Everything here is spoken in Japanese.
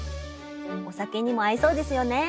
お酒にも合いそうですよね。